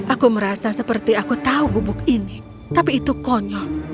aku merasa seperti aku tahu gubuk ini tapi itu konyol